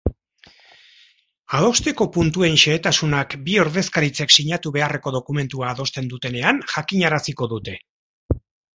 Adosteko puntuen xehetasunak bi ordezkaritzek sinatu beharreko dokumentua adosten dutenean jakinaraziko dute.